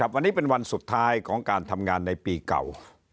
วันนี้เป็นวันสุดท้ายของการทำงานในปีเก่า